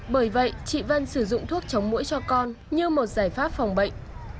bởi vậy chị vân sử dụng thuốc chống mũi cho con như một giải pháp phòng bệnh